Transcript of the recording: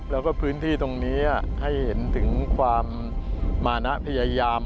แล้วก็พื้นที่ตรงนี้ให้เห็นถึงความมานะพยายาม